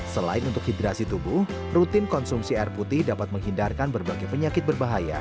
selain untuk hidrasi tubuh rutin konsumsi air putih dapat menghindarkan berbagai penyakit berbahaya